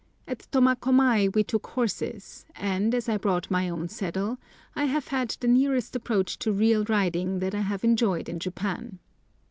At Tomakomai we took horses, and, as I brought my own saddle, I have had the nearest approach to real riding that I have enjoyed in Japan.